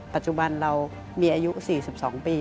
ปัจจุบันเรามีอายุ๔๒ปี